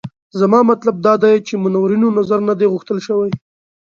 زما مطلب دا دی چې منورینو نظر نه دی غوښتل شوی.